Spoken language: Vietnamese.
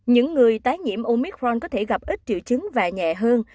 những người tái nhiễm umicron có thể gặp ít triệu chứng và nhẹ hơn